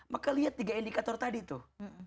maka lihat tiga indikator tadi tuh